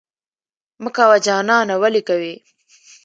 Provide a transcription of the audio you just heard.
مه کوه جانانه ولې کوې؟